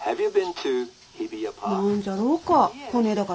．何じゃろうか？